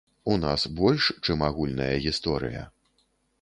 У нас больш, чым агульная гісторыя.